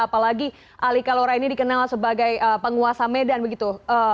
apalagi ali kalora ini dikenal sebagai penguasa medan begitu